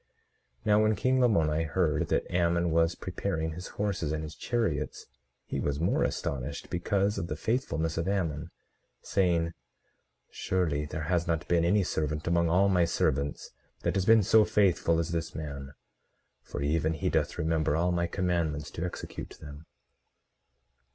18:10 Now when king Lamoni heard that Ammon was preparing his horses and his chariots he was more astonished, because of the faithfulness of Ammon, saying: Surely there has not been any servant among all my servants that has been so faithful as this man; for even he doth remember all my commandments to execute them.